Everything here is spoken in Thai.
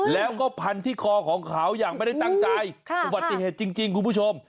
แล้วก็พันที่คอของเขาอย่างไม่ได้ตั้งใจอุบัติเหตุจริงคุณผู้ชม